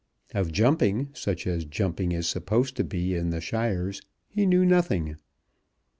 Of jumping, such as jumping is supposed to be in the shires, he knew nothing.